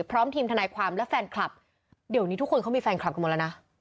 พร้อมทีมทนายความและแฟนคลับเดี๋ยวนี้ทุกคนเขามีแฟนคลับกันหมดแล้วนะ